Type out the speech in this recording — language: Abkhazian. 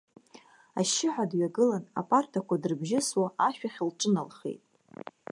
Ашьшьыҳәа дҩагылан, апартақәа дрыбжьысуа, ашә ахь лҿыналхеит.